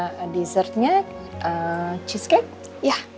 sama desertnya cheesecake ya